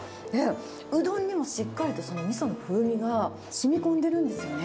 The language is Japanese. うどんにもしっかりとみその風味がしみこんでるんですよね。